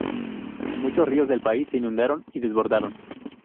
Muchos ríos del país se inundaron y desbordaron.